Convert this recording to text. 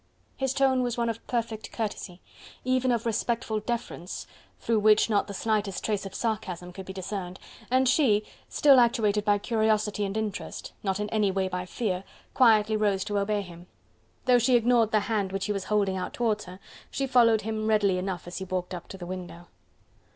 His tone was one of perfect courtesy, even of respectful deference through which not the slightest trace of sarcasm could be discerned, and she, still actuated by curiosity and interest, not in any way by fear, quietly rose to obey him. Though she ignored the hand which he was holding out towards her, she followed him readily enough as he walked up to the window.